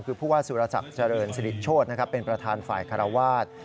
คือผู้ว่าสุรศักดิ์เจริญสิริโชธเป็นประธานฝ่ายคาราวาส